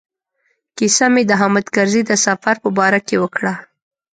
کیسه مې د حامد کرزي د سفر په باره کې وکړه.